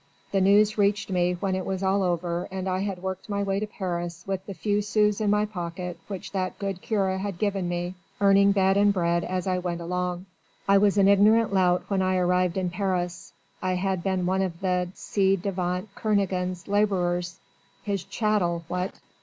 The news reached me when it was all over and I had worked my way to Paris with the few sous in my pocket which that good curé had given me, earning bed and bread as I went along. I was an ignorant lout when I arrived in Paris. I had been one of the ci devant Kernogan's labourers his chattel, what?